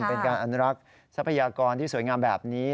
เป็นการอนุรักษ์ทรัพยากรที่สวยงามแบบนี้